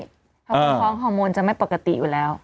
เพราะว่าท้องฮอร์โมนจะไม่ปกติอยู่แล้ว